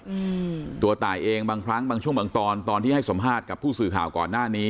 อืมตัวตายเองบางครั้งบางช่วงบางตอนตอนที่ให้สัมภาษณ์กับผู้สื่อข่าวก่อนหน้านี้